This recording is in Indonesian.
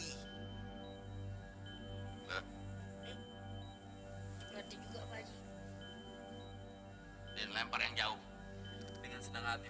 grt juga kayak dia melempar yang jauh dengan ada suatu